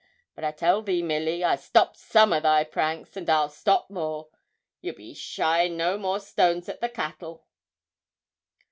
But I tell thee, Milly, I stopped some o' thy pranks, and I'll stop more. Ye'll be shying no more stones at the cattle.'